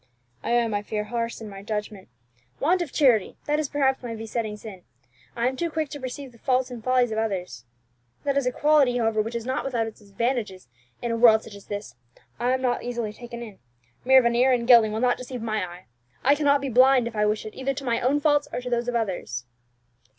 "I am, I fear, harsh in my judgment. Want of charity, that is perhaps my besetting sin. I am too quick to perceive the faults and follies of others. That is a quality, however, which is not without its advantages in a world such as this. I am not easily taken in; mere veneer and gilding will not deceive my eye. I cannot be blind, if I wish it, either to my own faults or to those of others."